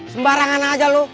sembarangan aja lo